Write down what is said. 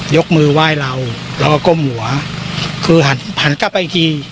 ยกมือไหว้เราแล้วก็ก้มหัวคือหันหันกลับไปอีกที